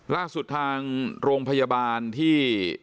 ล่าสุดทางโรงพยาบาลที่